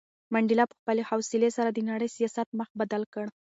منډېلا په خپلې حوصلې سره د نړۍ د سیاست مخ بدل کړ.